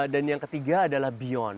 dan yang ketiga adalah beyond